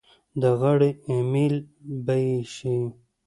د غاړې امېل به یې شي.